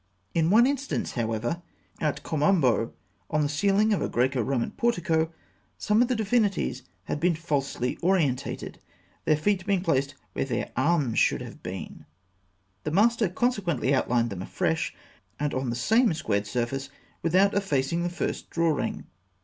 In one instance, however, at Kom Ombo, on the ceiling of a Graeco Roman portico, some of the divinities had been falsely oriented, their feet being placed where their arms should have been. The master consequently outlined them afresh, and on the same squared surface, without effacing the first drawing.